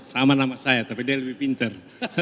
sama nama saya tapi dia lebih pinter